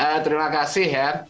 ya terima kasih ya